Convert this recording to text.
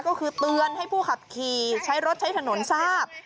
ก็คือเตือนให้ผู้ขับขี่ใช้รถใช้ถนนทราบ